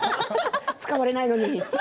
使われないのにって。